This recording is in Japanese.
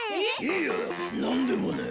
いやなんでもない。